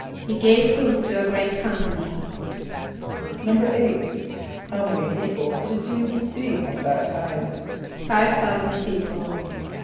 =He gave food to a great company.= =8.= How many people did J[=e]´[s+]us feed at that time? =Five thousand people.